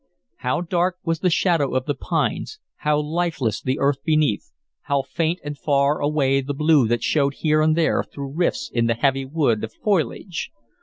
How dark was the shadow of the pines, how lifeless the earth beneath, how faint and far away the blue that showed here and there through rifts in the heavy roof of foliage!